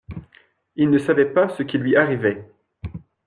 Il ne savait pas ce qui lui arrivait.